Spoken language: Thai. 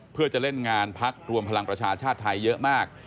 เพื่อจะเล่นงานพักรวมพลังประชาชาติไทยเยอะมาก